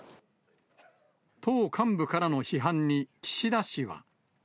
党幹部からの批判に岸田氏は。